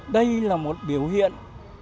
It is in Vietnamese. đây là một biểu hiện